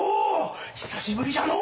久しぶりじゃのう！